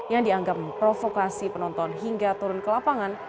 yang dianggap memprovokasi penonton hingga turun ke lapangan